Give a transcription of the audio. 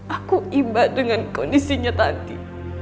aku imba dengan kondisinya tadi